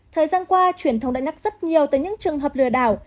thời gian qua truyền thông đã nhắc rất nhiều tới những trường hợp lừa đảo